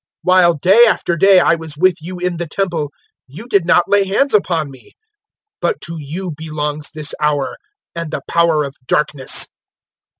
022:053 While day after day I was with you in the Temple, you did not lay hands upon me; but to you belongs this hour and the power of darkness."